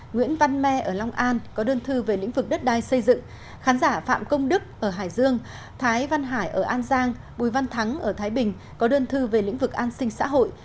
nguyễn văn me ở long an có đơn thư về lĩnh vực đất đai xây dựng khán giả phạm công đức ở hải dương thái văn hải ở an giang bùi văn thắng ở thái bình có đơn thư về lĩnh vực an sinh xã hội